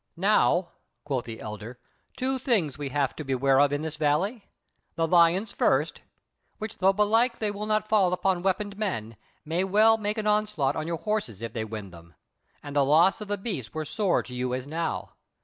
"Now," quoth the Elder; "two things we have to beware of in this valley, the lions first; which, though belike they will not fall upon weaponed men, may well make an onslaught on your horses, if they wind them; and the loss of the beasts were sore to you as now.